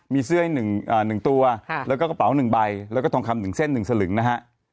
มีเสื้อยหนึ่งตัวแล้วก็กระเป๋าหนึ่งใบแล้วก็ทองคำหนึ่งเส้นหนึ่งสลึงนะฮะ